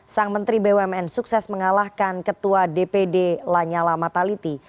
sang menteri bumn sukses mengalahkan ketua dpd lanyala mataliti